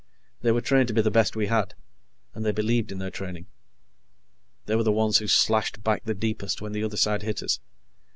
They were trained to be the best we had, and they believed in their training. They were the ones who slashed back the deepest when the other side hit us.